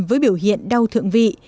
với biểu hiện đau thượng vị